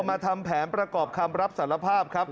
มาทำแผนประกอบคำรับสารภาพครับ